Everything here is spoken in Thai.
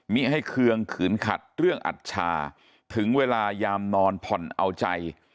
ให้เคืองขืนขัดเรื่องอัชชาถึงเวลายามนอนผ่อนเอาใจ